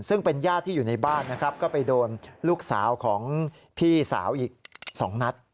ซึ่งเป็นญาติที่อยู่ในบ้านนะครับก็ไปโดนลูกสาวของพี่สาวอีก๒นัด